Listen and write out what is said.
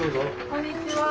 こんにちは。